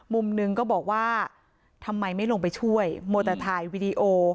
มุมนึงก็บอกว่าทำไมไม่ลงไปช่วยเพราะทายวีดีโอ